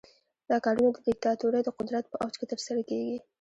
دا کارونه د دیکتاتورۍ د قدرت په اوج کې ترسره کیږي.